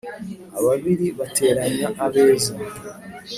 Ababiri bateranya abeza.